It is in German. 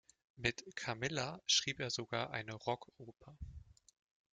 Mit "Carmilla" schrieb er sogar eine Rockoper.